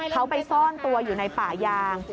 เขาไปซ่อนตัวอยู่ในป่ายาง